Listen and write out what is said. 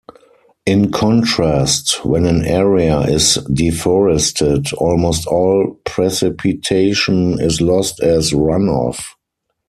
In contrast, when an area is deforested, almost all precipitation is lost as run-off.